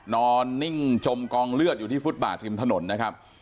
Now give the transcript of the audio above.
นอนนิ่งจมกองเลือดอยู่ที่ฟุตบาทริมถนนนะครับ